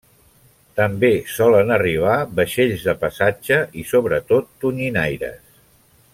També solen arribar vaixells de passatge i sobretot tonyinaires.